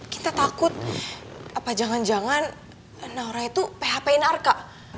kita takut jangan jangan naura itu php in arka